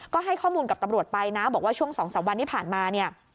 ก็ให้ข้อมูลกับตำรวจไปนะบอกว่าช่วง๒๓วันที่ผ่านมาเนี่ย